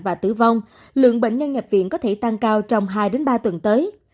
và tử vong lượng bệnh nhân nhập viện có thể tăng cao trong hai ba tuần tới